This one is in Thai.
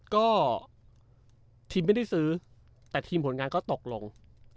ก็ทีมไม่ได้ซื้อแต่ทีมผลงานก็ตกลง